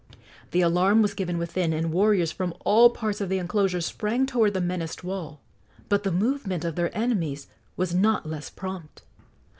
The alarm was given within, and warriors from all parts of the enclosure sprang toward the menaced wall. But the movement of their enemies was not less prompt.